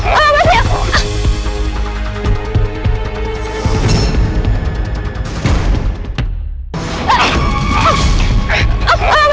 tidak tidak om